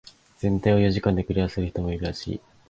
全体を四時間でクリアする人もいるらしい。